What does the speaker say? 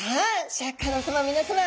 シャーク香音さま皆さま。